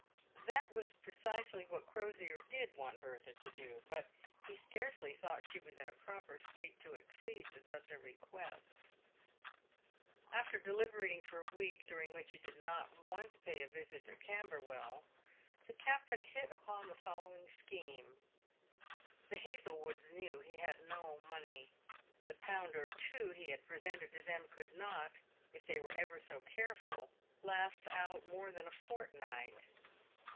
That was precisely what Crosier did want Bertha to do, but he scarcely thought she was in a proper state to accede to such a request. PAVED WITH GOLD. 303 After deliberating for a week — during which he did not once pay a visit to Camberwell — the captain hit upon the following scheme. The Hazlewoods he knew had no money. The pound or two he had presented to them could not, if they were ever so careful, last out more than a fortnight.